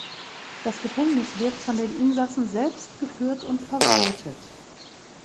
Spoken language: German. Das Gefängnis wird von den Insassen selbst geführt und verwaltet.